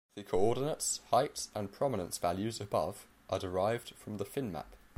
The coordinates, heights and prominence values above are derived from the Finnmap.